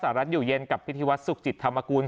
รัฐอยู่เย็นกับพิธีวัฒนสุขจิตธรรมกุล